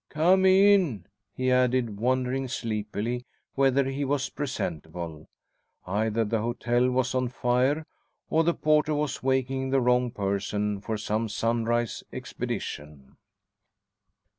"Come in," he added, wondering sleepily whether he was presentable. Either the hotel was on fire or the porter was waking the wrong person for some sunrise expedition.